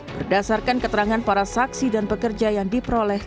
berdasarkan keterangan para saksi dan pekerja yang diperoleh